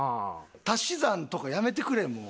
足し算とかやめてくれもう。